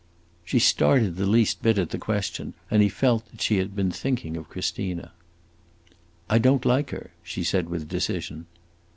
She started the least bit at the question, and he felt that she had been thinking of Christina. "I don't like her!" she said with decision.